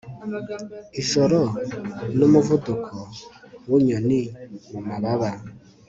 ijoro n'umuvuduko w'inyoni mu mababa